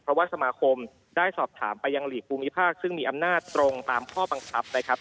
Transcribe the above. เพราะว่าสมาคมได้สอบถามไปยังหลีกภูมิภาคซึ่งมีอำนาจตรงตามข้อบังคับนะครับ